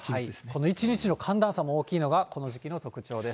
一日の寒暖差の大きいのがこの時期の特徴です。